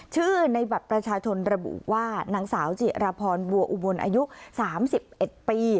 ชื่อในบัตรประชาชนระบุว่านางสาวจิรพรบัวอุบลอายุ๓๑ปี